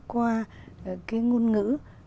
qua cái ngôn ngữ